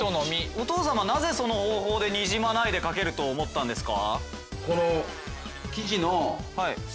お父様なぜその方法でにじまないで書けると思ったんですか？